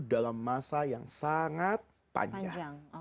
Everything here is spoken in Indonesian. dalam masa yang sangat panjang